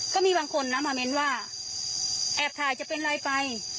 ก็มีบางคนนะมาเม้นว่าแอบถ่ายจะเป็นอะไรไป